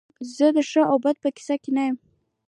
زه د ښه او بد په کیسه کې نه وم